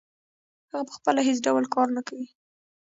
هغه پخپله هېڅ ډول کار نه کوي